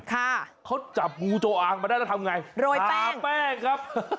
เขาจับงูจงอ้างมาแล้วทำยังไงโรยแป้งทาแป้งครับ